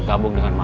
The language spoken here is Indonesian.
kita kedap segera